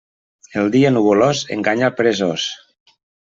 El dia nuvolós enganya el peresós.